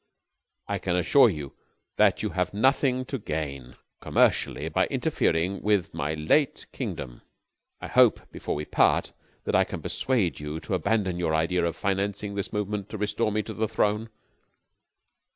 I can assure you that you have nothing to gain commercially by interfering with my late kingdom. I hope, before we part, that I can persuade you to abandon your idea of financing this movement to restore me to the throne.